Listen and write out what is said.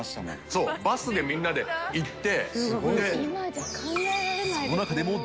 そうバスでみんなで行って。